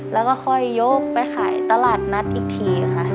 แล้วก็ค่อยยกไปขายตลาดนัดอีกทีค่ะ